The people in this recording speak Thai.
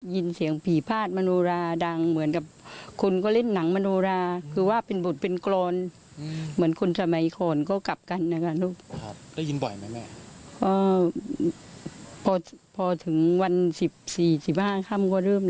มีอยู่คนหนึ่งนะคะ